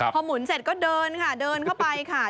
พอหมุนเสร็จก็เดินค่ะเดินเข้าไปค่ะ